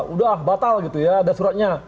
udah batal gitu ya ada suratnya